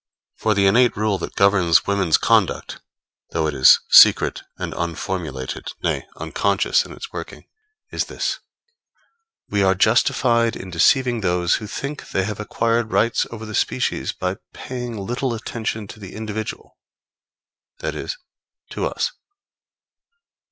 For the innate rule that governs women's conduct, though it is secret and unformulated, nay, unconscious in its working, is this: _We are justified in deceiving those who think they have acquired rights over the species by paying little attention to the individual, that is, to us.